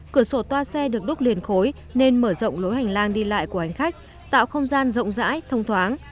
cửa sổ toa xe được đúc liền khối nên mở rộng lối hành lang đi lại của hành khách tạo không gian rộng rãi thông thoáng